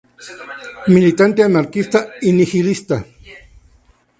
Militante anarquista y nihilista.